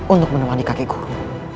untuk menemani kakek guru